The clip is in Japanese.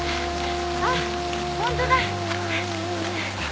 あっホントだ。